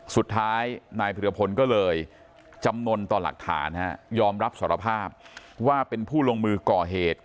สุดท้ายนายพิรพลก็เลยจำนวนต่อหลักฐานยอมรับสารภาพว่าเป็นผู้ลงมือก่อเหตุ